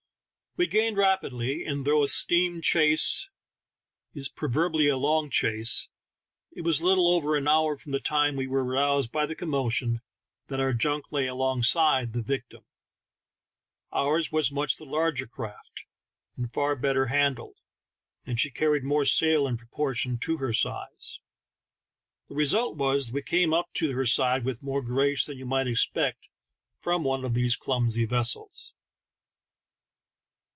We gained rapidly, and though a stern chase is proverbially a long chase, it was little over an hour from the time we were aroused by the com motion, that our junk lay alongside the victim. Ours was much the larger craft, and far better handled, and she carried more sail in proportion to her size. The result was that we came up to her side with more grace than you might expect from one of these clumsy vessels.